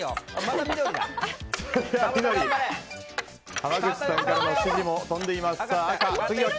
濱口さんから指示も飛んでいます。